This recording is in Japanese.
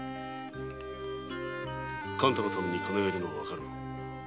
勘太のために金が要るのはわかる。